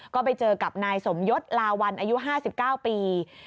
ก็ไปเจอกับนายสมยศลาวัลอายุห้าสิบเก้าปี